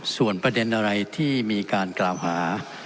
ส่วนประเด็นอะไรที่มีการกล่าวหา